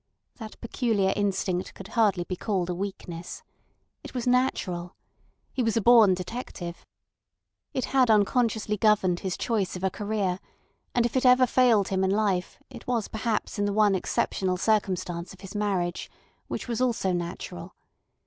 That peculiar instinct could hardly be called a weakness. It was natural. He was a born detective. It had unconsciously governed his choice of a career, and if it ever failed him in life it was perhaps in the one exceptional circumstance of his marriage—which was also natural.